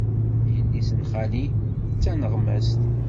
Yelli-s n xali d taneɣmast.